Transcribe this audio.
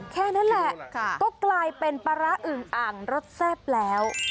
แค่นั้นแหละก็กลายเป็นปลาร้าอึงอ่างรสแซ่บแล้ว